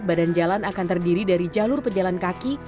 badan jalan akan terdiri dari jalur pejalan kaki